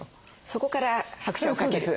そこから拍車をかける？